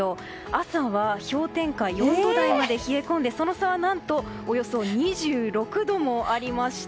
朝は氷点下４度台まで冷え込んでその差は何と、およそ２６度もありました。